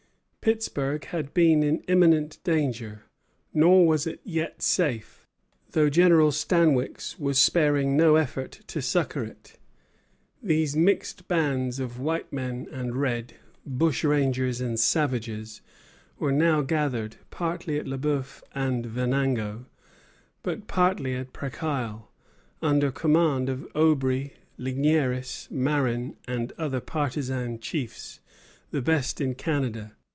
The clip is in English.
Pittsburg had been in imminent danger; nor was it yet safe, though General Stanwix was sparing no effort to succor it. These mixed bands of white men and red, bushrangers and savages, were now gathered, partly at Le Bœuf and Venango, but chiefly at Presquisle, under command of Aubry, Ligneris, Marin, and other partisan chiefs, the best in Canada.